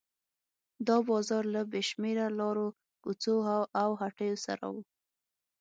دا بازار له بې شمېره لارو کوڅو او هټیو سره و.